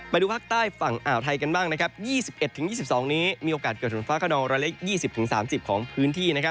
ไปดูภาคใต้ฝั่งอ่าวไทยกันบ้างนะครับ๒๑๒๒นี้มีโอกาสเกิดฝนฟ้าขนอง๑๒๐๓๐ของพื้นที่